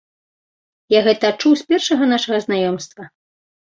Я гэта адчуў з першага нашага знаёмства.